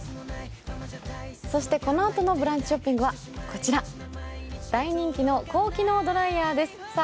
そしてこのあとのブランチショッピングはこちら大人気の高機能ドライヤーですさあ